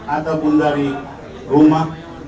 ataupun dari rumah